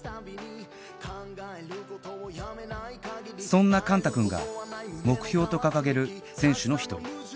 そんな幹汰君が目標と掲げる選手の１人